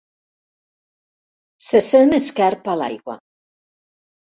Se sent esquerp a l'aigua.